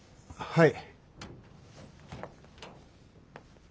はい。